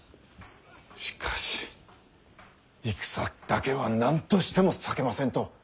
しかし戦だけは何としても避けませんと！